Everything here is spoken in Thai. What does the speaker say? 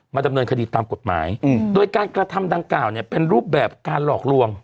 ดำเนินคดีตามกฎหมายโดยการกระทำดังกล่าวเนี่ยเป็นรูปแบบการหลอกลวง